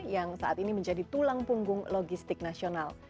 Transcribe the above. yang saat ini menjadi tulang punggung logistik nasional